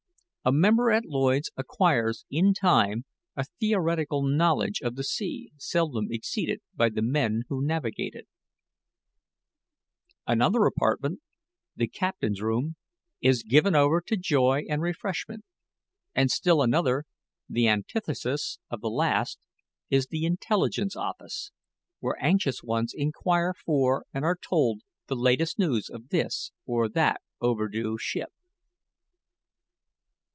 A member at Lloyds acquires in time a theoretical knowledge of the sea seldom exceeded by the men who navigate it. Another apartment the Captain's room is given over to joy and refreshment, and still another, the antithesis of the last, is the Intelligence office, where anxious ones inquire for and are told the latest news of this or that overdue ship.